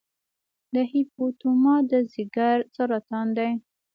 د هیپاټوما د ځګر سرطان دی.